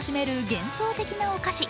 幻想的なお菓子